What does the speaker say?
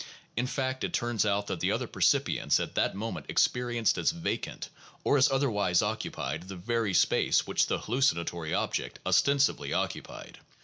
In fact, it turns out that the other percipients at that moment experi enced as A r acant, or as otherwise occupied, the very space which the hallucinatory object ostensibly occupied.